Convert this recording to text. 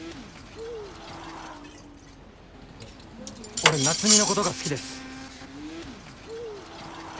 俺夏海のことが好きです。